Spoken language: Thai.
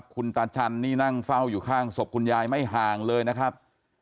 คุณตาชันนี่นั่งเฝ้าอยู่ข้างศพคุณยายไม่ห่างเลยนะครับ